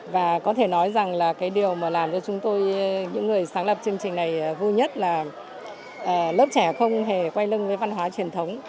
và có thể nói rằng là cái điều mà làm cho chúng tôi những người sáng lập chương trình này vui nhất là lớp trẻ không hề quay lưng với văn hóa truyền thống